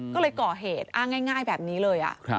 ก็เลยก่อเหตุอ้างง่ายแบบนี้เลย